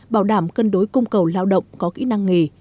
bảo đảm cân đối cung cầu lao động có kỹ năng nghề